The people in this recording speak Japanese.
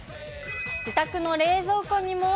自宅の冷蔵庫にも。